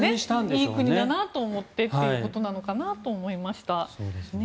いい国だなと思ってということなのかなと思いました。